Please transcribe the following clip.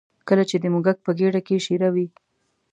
کله چې د موږک په ګېډه کې شېره وي.